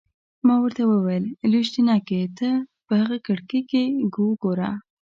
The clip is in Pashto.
ما ورته وویل: لویشتينکې! ته په هغه کړکۍ کې وګوره.